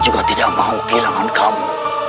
juga tidak mau kehilangan kamu